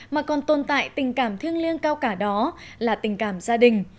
mà còn tồn tại tình cảm thiêng liêng cao cả đó là tình cảm gia đình